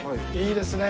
いいですね。